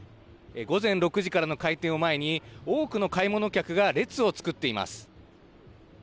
午前６時からの開店を前に多くの買い物客が列を作っています。